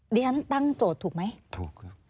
ดิฉันตั้งโจทย์ถูกไหมถูกครับ